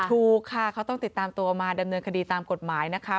ถูกค่ะเขาต้องติดตามตัวมาดำเนินคดีตามกฎหมายนะคะ